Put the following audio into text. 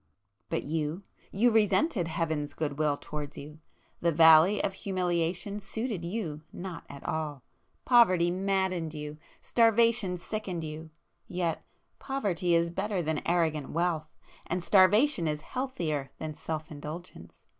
But you,—you resented Heaven's good will towards you,—the Valley of Humiliation suited you not at all. Poverty maddened you,—starvation sickened you. Yet poverty is better than arrogant wealth,—and starvation is healthier than self indulgence!